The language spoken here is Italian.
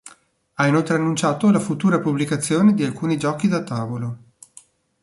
Ha inoltre annunciato la futura pubblicazione di alcuni giochi da tavolo.